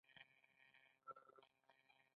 ازادي راډیو د سوله لپاره د مرستو پروګرامونه معرفي کړي.